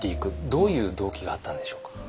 どういう動機があったんでしょうか？